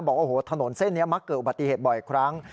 บอกว่าโอ้โหถนนเส้นนี้มักเกิดอุบัติเหตุบ่อยครั้ง